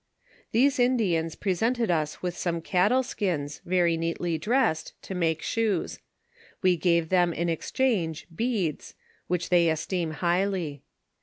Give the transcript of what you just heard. These Indians presented us with some cattle skins, very neatly dressed, to make shoes ; we gave them in exchange beads, which they esteem highly.